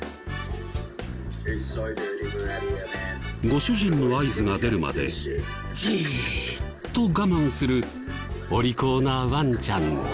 ご主人の合図が出るまでじーっと我慢するお利口なワンちゃん。